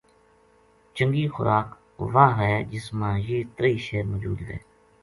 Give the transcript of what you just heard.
چنگی خوراک واہ وھے جس ما یہ تریہی شے موجود وھے